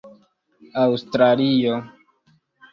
aŭstralio